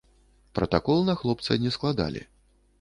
Пратакол на хлопца не складалі.